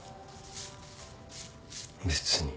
別に。